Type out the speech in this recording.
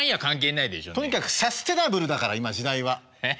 とにかくサステナブルだから今時代は。え？